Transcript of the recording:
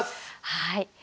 はい。